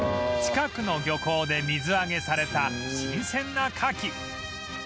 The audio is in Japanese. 近くの漁港で水揚げされた新鮮なカキ